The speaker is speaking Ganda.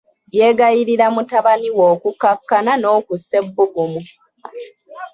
Yeegayirira mutabani we okukkakkana n'okussa ebbugumu.